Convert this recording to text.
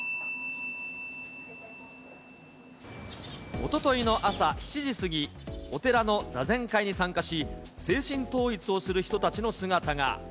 おとといの朝７時過ぎ、お寺の座禅会に参加し、精神統一をする人たちの姿が。